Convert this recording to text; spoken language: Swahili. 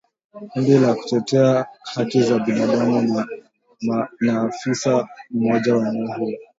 Kundi la kutetea haki za binadamu na afisa mmoja wa eneo hilo